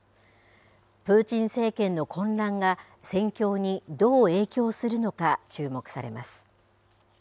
プーチン政権の混乱が、戦況にどう影響するのか注目されます。